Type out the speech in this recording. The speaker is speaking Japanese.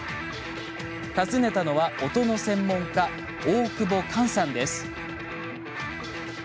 訪ねたのは、音の専門家大久保寛さんです。